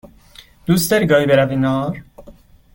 دوست داری گاهی برویم نهار؟